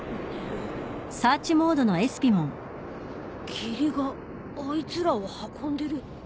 霧があいつらを運んでる。